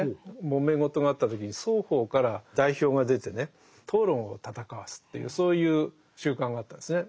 もめ事があった時に双方から代表が出てね討論を戦わすっていうそういう習慣があったんですね。